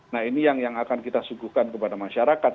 nah ini yang akan kita suguhkan kepada masyarakat